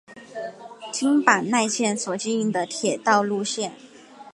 京阪奈线所经营的铁道路线。